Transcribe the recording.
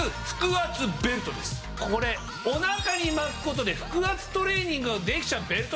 これおなかに巻くことで腹圧トレーニングができちゃうベルトなんです。